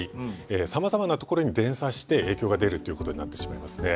さまざまなところに連鎖して影響が出るっていうことになってしまいますね。